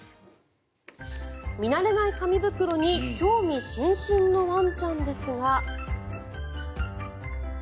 見慣れない紙袋に興味津々のワンちゃんですが。